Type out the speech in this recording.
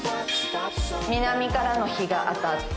南からの日が当たって